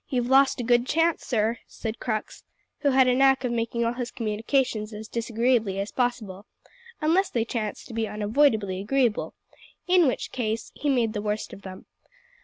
"You've lost a good chance, sir," said Crux, who had a knack of making all his communications as disagreeably as possible, unless they chanced to be unavoidably agreeable, in which case he made the worst of them.